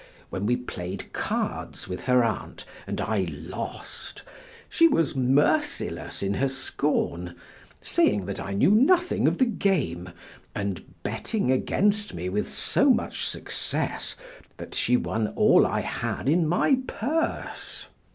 When we played cards with her aunt and I lost, she was merciless in her scorn, saying that I knew nothing of the game, and betting against me with so much success that she won all I had in my purse.